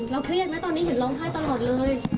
เครียดไหมตอนนี้เห็นร้องไห้ตลอดเลย